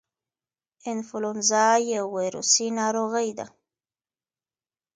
انفلونزا یو ویروسي ناروغي ده